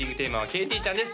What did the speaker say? ＫＴちゃんです